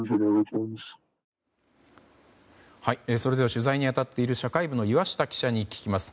取材に当たっている社会部の岩下記者に聞きます。